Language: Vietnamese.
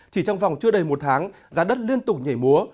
chỉ trong vòng chưa đầy một tháng giá đất liên tục nhảy múa